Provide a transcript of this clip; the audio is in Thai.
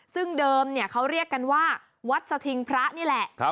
ซึ่งเดิมเขาเรียกกันว่าวัดสถิงพระนี่แหละ